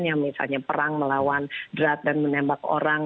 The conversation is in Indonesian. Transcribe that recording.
yang misalnya perang melawan drat dan menembak orang